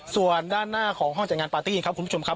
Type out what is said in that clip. ส่วนด้านหน้าของห้องจัดงานปาร์ตี้ครับคุณผู้ชมครับ